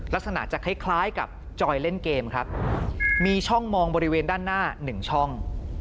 ลักษณะจะคล้ายคล้ายกับจอยเล่นเกมครับมีช่องมองบริเวณด้านหน้าหนึ่งช่อง